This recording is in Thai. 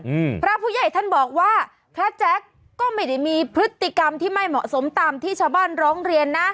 อืมพระผู้ใหญ่ท่านบอกว่าพระแจ๊คก็ไม่ได้มีพฤติกรรมที่ไม่เหมาะสมตามที่ชาวบ้านร้องเรียนนะ